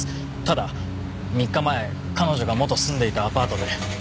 ただ３日前彼女が元住んでいたアパートで。